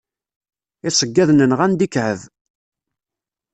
Iseyyaḍen nɣan-d ikεeb.